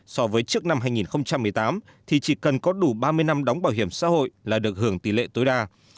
so với trước năm hai nghìn một mươi tám thì chỉ cần có đủ ba mươi năm đóng bảo hiểm xã hội là được hưởng tỷ lệ tối đa